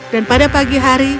dan pada pagi hari